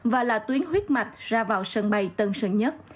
và là tuyến huyết mạch ra vào sân bay tân sơn nhất